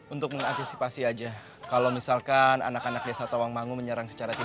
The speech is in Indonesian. untuk mengaktisipasi aja kalau misalkan anak anak desa tawangmangu menyerang secara tiba tiba